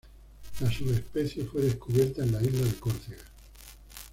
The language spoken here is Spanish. La subespecie fue descubierta en la isla de Córcega.